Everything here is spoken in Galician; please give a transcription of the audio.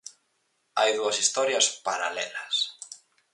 Hai dúas historias paralelas.